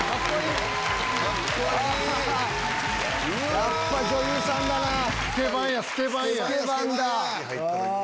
やっぱ女優さんだなぁ。